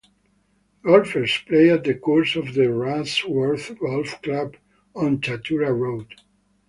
Golfers play at the course of the Rushworth Golf Club on Tatura Road.